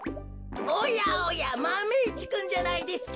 おやおやマメ１くんじゃないですか。